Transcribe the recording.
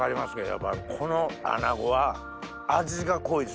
やっぱりこのアナゴは味が濃いです。